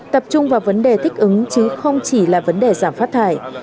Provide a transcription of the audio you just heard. tập trung vào vấn đề thích ứng chứ không chỉ là vấn đề giảm phát thải